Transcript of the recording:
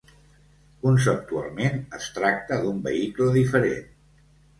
Conceptualment es tracta d'un vehicle diferent.